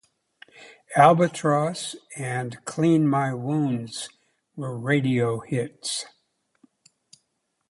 "Albatross" and "Clean My Wounds" were radio hits.